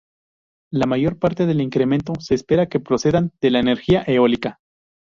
La mayor parte del incremento se espera que procedan de la energía eólica.